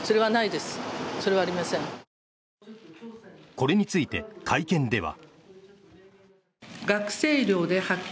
これについて会見では。